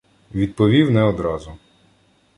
Відповів не одразу.